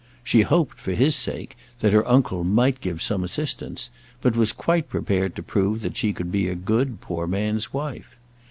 She hoped, for his sake, that her uncle might give some assistance, but was quite prepared to prove that she could be a good poor man's wife.